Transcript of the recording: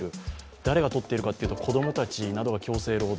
誰がとっているかというと子供たちが強制労働